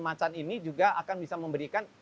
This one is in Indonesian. macan ini juga akan bisa memberikan